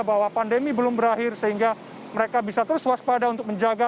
bahwa pandemi belum berakhir sehingga mereka bisa terus waspada untuk menjaga